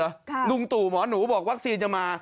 ลุงตู่หมอหนูบอกวัคซีนจะมา